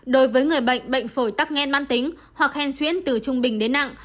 đối với người bệnh bệnh phổi tắc nghen bắn tính hoặc hen xuyến từ trung bình đến nặng